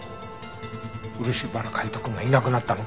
漆原海斗くんがいなくなったの？